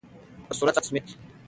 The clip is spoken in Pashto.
بوسورت سمیت :